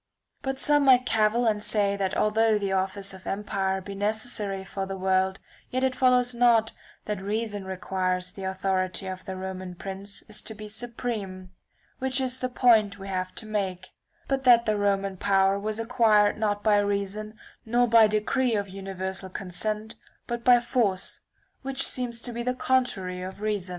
But some might cavil and say that although the office of empire be necessary for the world yet it follows not that reason requires the authority of the roman prince is to be supreme (which is the point we have to make) ; but that the Roman power was acquired not by reason nor by decree of universal consent, but by (^903 force, which seems to be the contrary of reason.